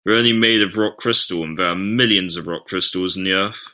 They're only made of rock crystal, and there are millions of rock crystals in the earth.